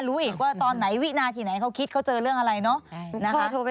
รู้อีกว่าตอนไหนวินาทีไหนเขาคิดเขาเจอเรื่องอะไรเนอะนะคะ